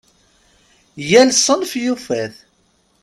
Yal ssenf yufa-t.